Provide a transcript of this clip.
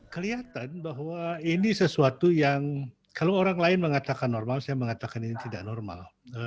kelihatan bahwa ini sesuatu yang kalau orang lain mengatakan normal saya mengatakan ini tidak normal